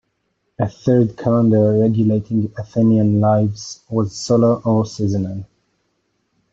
A third calendar regulating Athenian lives was solar or seasonal.